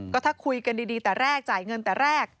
ก็ถ้าคุยกันดีแต่แรกจ่ายเงินแต่แรก